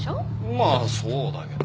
まあそうだけど。